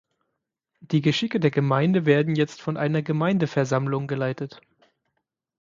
Die Geschicke der Gemeinde werden jetzt von einer Gemeindeversammlung geleitet.